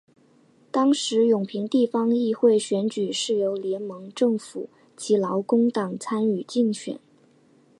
当时永平地方议会选举是由联盟政府及劳工党参与竞选。